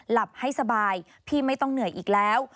หลับให้สบายพี่ไม่ต้องเหนื่อยอีกแล้ว